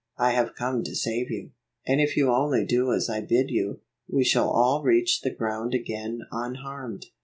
I have come to save you, and if you only do as I bid you, we shall all reach the ground again unharmed."